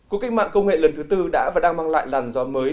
cuộc cách mạng công nghệ lần thứ tư đã và đang mang lại làn gió mới